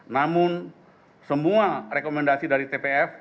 namun semua rekomendasi dari tpf